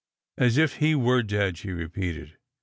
As if he were dead," she repeated.